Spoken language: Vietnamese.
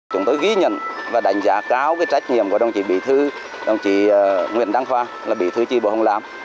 chúng tôi ghi nhận và đánh giá cao trách nhiệm của đồng chí bí thư đồng chí nguyễn đăng khoa là bí thư tri bộ hồng làm